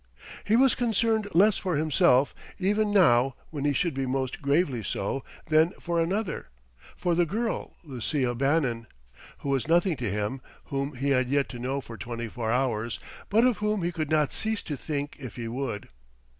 He was concerned less for himself, even now when he should be most gravely so, than for another, for the girl Lucia Bannon, who was nothing to him, whom he had yet to know for twenty four hours, but of whom he could not cease to think if he would.